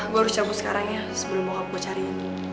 gue harus cabut sekarang ya sebelum gue cariin